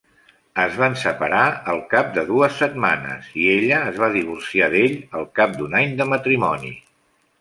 Es van separar al cap de dues setmanes i ella es va divorciar d'ell al cap d'un any de matrimoni.